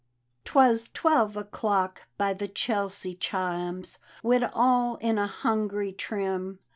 'Twas twelve o'clock by the Chelsea chimes, When all in a hungry trim.